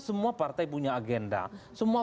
semua partai punya agenda semua